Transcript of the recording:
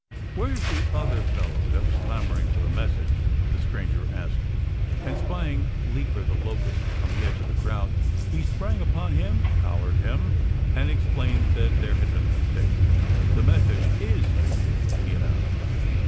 "Where's that other fellow that was clamoring for the message?" the stranger asked. And spying Leaper the Locust on the edge of the crowd, he sprang upon him, collared him, and explained that there had been a mistake. "The message is for you," he announced.